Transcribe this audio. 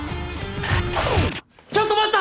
ちょっと待った！